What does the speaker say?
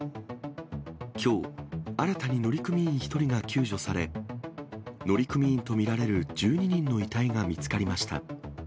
きょう、新たに乗組員１人が救助され、乗組員と見られる１２人の遺体が見つかりました。